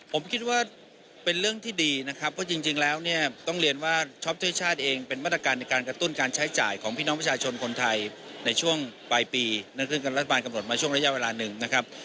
ผมคิดว่าเป็นเรื่องที่ดีนะครับเพราะจริงแล้วเนี่ยต้องเรียนว่าช็อปช่วยชาติเองเป็นมาตรการในการกระตุ้นการใช้จ่ายของพี่น้องประชาชนคนไทยในช่วงปลายปีนะครับซึ่งรัฐบาลกำหนดมาช่วงระยะเวลาหนึ่งนะครับ